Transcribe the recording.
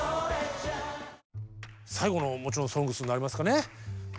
最後のもちろん「ＳＯＮＧＳ」になりますかね。